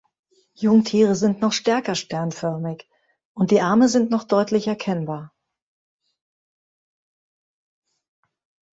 Jungtiere sind noch stärker sternförmig und die Arme sind noch deutlich erkennbar.